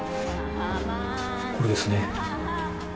これですね。